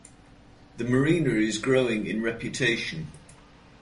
The marina is growing in reputation.